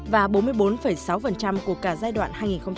và bốn mươi bốn sáu của cả giai đoạn hai nghìn một mươi sáu hai nghìn hai mươi